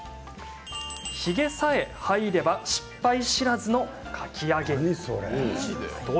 ヒゲさえ入れば失敗知らずのかき揚げ。